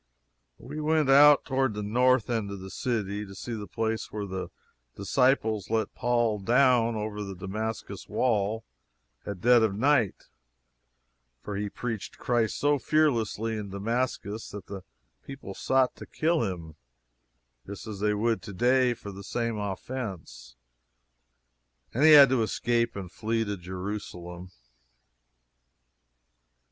We went out toward the north end of the city to see the place where the disciples let Paul down over the Damascus wall at dead of night for he preached Christ so fearlessly in Damascus that the people sought to kill him, just as they would to day for the same offense, and he had to escape and flee to Jerusalem.